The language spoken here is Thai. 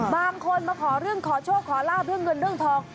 บางคนมาขอเรื่องขอโชคขอลาบเรื่องเงินเรื่องทอง